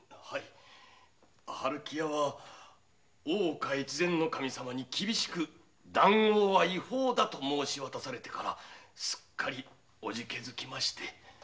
春喜屋は大岡様に厳しく談合は違法だと申し渡されてからすっかりおじけづきまして。